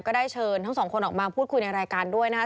ก็ได้เชิญทั้งสองคนออกมาพูดคุยในรายการด้วยนะครับ